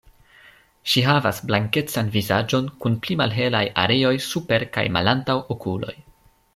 Ŝi havas blankecan vizaĝon kun pli malhelaj areoj super kaj malantaŭ okuloj.